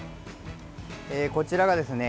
こちらがですね